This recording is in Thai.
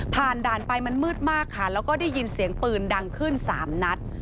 ด่านไปมันมืดมากค่ะแล้วก็ได้ยินเสียงปืนดังขึ้น๓นัด